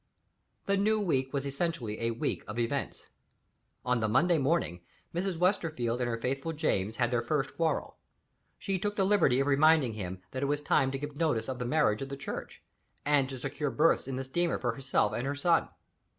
The new week was essentially a week of events. On the Monday morning, Mrs. Westerfield and her faithful James had their first quarrel. She took the liberty of reminding him that it was time to give notice of the marriage at the church, and to secure berths in the steamer for herself and her son.